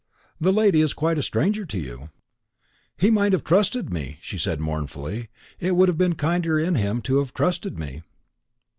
"The lady is quite a stranger to you." "He might have trusted me," she said mournfully; "it would have been kinder in him to have trusted me."